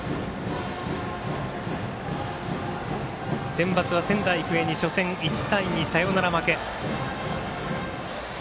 センバツは仙台育英に初戦１対２サヨナラ負け。